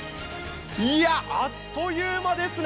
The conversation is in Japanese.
あっという間ですね。